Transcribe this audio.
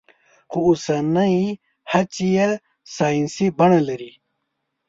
خو اوسنۍ هڅې يې ساينسي بڼه لري.